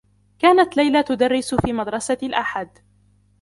كانت ليلى تدرّس في مدرسة الأحد.